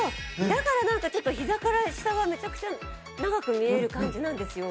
だからなんかちょっとひざから下がめちゃくちゃ長く見える感じなんですよ。